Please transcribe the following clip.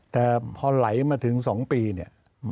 แต่พอไหลมาถึง๒ปีเนี่ย